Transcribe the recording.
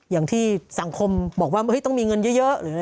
อย่างที่สังคมบอกว่าต้องมีเงินเยอะ